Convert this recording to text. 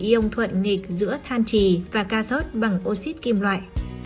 ion thuận nghịch giữa than trì và cathode bằng oxy kim loại